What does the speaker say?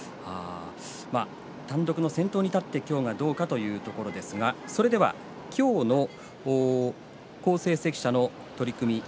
単独先頭に立って今日がどうかというところですがそれでは今日の好成績者の取組